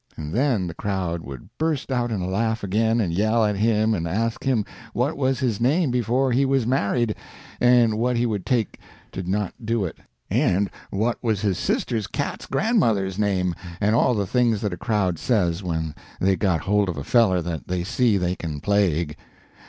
And then the crowd would burst out in a laugh again, and yell at him, and ask him what was his name before he was married, and what he would take to not do it, and what was his sister's cat's grandmother's name, and all the things that a crowd says when they've got hold of a feller that they see they can plague.